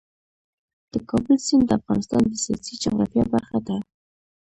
د کابل سیند د افغانستان د سیاسي جغرافیه برخه ده.